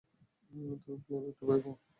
তুমি প্লেনে উঠতে ভয় পাও।